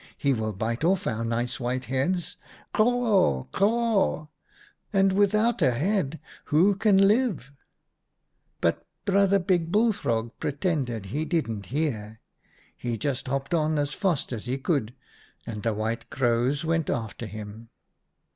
He will bite off our nice white heads — craw, craw !— and without a head, who can live ?' 11 But Brother Big Bullfrog pretended he didn't hear. He just hopped on as fast as he could, and the White Crows went after him.